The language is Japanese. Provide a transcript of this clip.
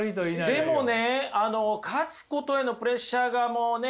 でもね勝つことへのプレッシャーがもうね